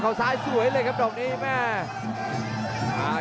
เฟซิลา